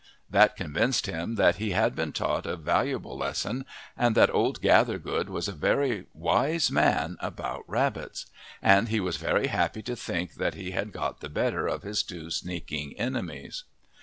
That convinced him that he had been taught a valuable lesson and that old Gathergood was a very wise man about rabbits; and he was very happy to think that he had got the better of his two sneaking enemies.